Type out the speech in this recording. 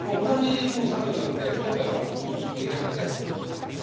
同じもう作業なんで今回はもう出来上がったやつを。